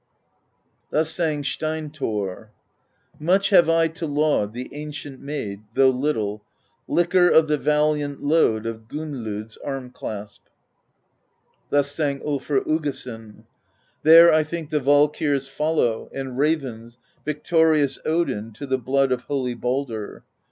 Thus sang Steinthorr: Much have I to laud The ancient made (though little) Liquor of the valiant Load of Gunnlod's arm clasp. Thus sang U Ifr Uggason : There I think the Valkyrs follow, And ravens. Victorious Odin To the blood of holy Baldr.